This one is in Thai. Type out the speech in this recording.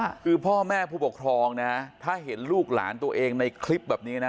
คือพ่อแม่ผู้ปกครองนะถ้าเห็นลูกหลานตัวเองในคลิปแบบนี้นะ